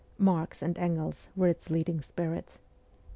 Marx and Engels were its leading spirits.